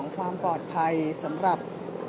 สวัสดีครับ